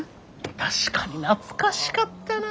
確かに懐かしかったな！